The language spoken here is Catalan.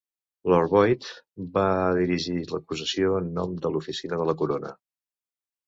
Lord Boyd va dirigir l'acusació en nom de l'Oficina de la corona.